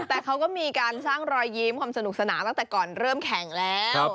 แต่เขาก็มีการสร้างรอยยิ้มความสนุกสนานตั้งแต่ก่อนเริ่มแข่งแล้ว